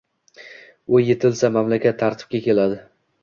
U etilsa mamlakat tartibga keladi.